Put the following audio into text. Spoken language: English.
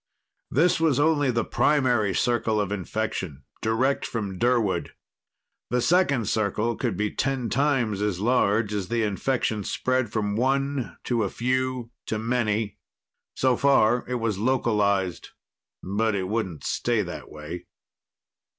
This was only the primary circle of infection, direct from Durwood. The second circle could be ten times as large, as the infection spread from one to a few to many. So far it was localized. But it wouldn't stay that way.